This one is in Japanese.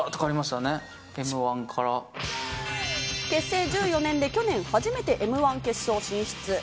結成１４年で去年初めてＭ−１決勝進出。